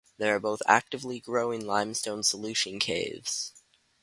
They are both actively growing limestone solution caves.